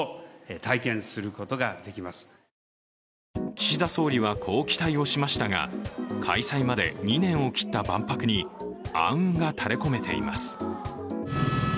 岸田総理はこう期待をしましたが開催まで２年を切った万博に暗雲が垂れこめています。